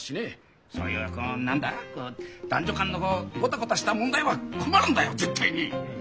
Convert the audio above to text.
そういうこう何だ男女間のゴタゴタした問題は困るんだよ絶対に！